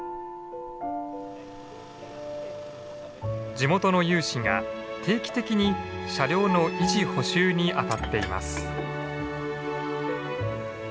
地元の有志が定期的に車両の維持補修にあたっています。